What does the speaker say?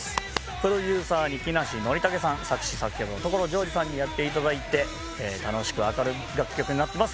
プロデューサーに木梨憲武さん作詞作曲を所ジョージさんにやっていただいて楽しく明るい楽曲になってます